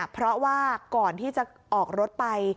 เพราะว่าก่อนที่จะออกรถไป